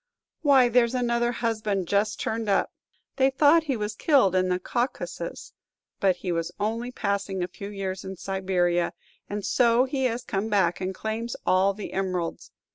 "Why, there's another husband just turned up. They thought he was killed in the Caucasus, but he was only passing a few years in Siberia; and so he has come back, and claims all the emeralds.